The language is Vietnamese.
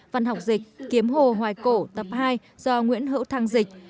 văn học dịch kiếm hồ hoài cổ tập hai do nguyễn hữu thăng dịch